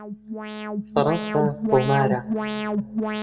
فەرەنسا کۆمارە.